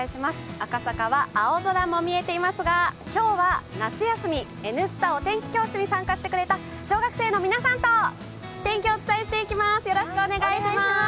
赤坂は青空も見えていますが今日は夏休み「Ｎスタ」お天気教室に参加してくれた小学生の皆さんと天気をお伝えしていきます。